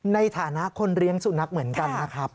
ในฐานะคนเลี้ยงสุนัขเหมือนกันนะครับ